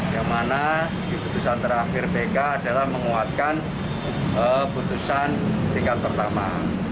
yang mana di putusan terakhir pk adalah menguatkan putusan tingkat pertama